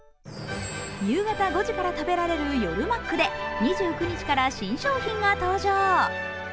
夕方５時から食べられる夜マックで２９日から新商品が登場。